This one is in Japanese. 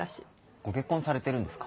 ご結婚されてるんですか？